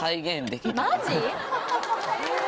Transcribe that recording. マジ？